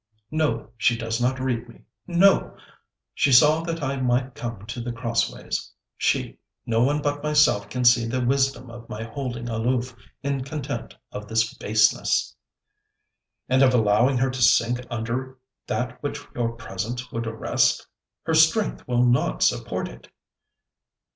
'No, she does not read me: no! She saw that I might come to The Crossways. She no one but myself can see the wisdom of my holding aloof, in contempt of this baseness.' 'And of allowing her to sink under that which your presence would arrest. Her strength will not support it.'